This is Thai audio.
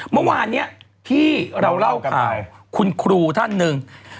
เมื่อวานเนี้ยที่เรารอกลาวคุณครู่ท่านหนึ่ง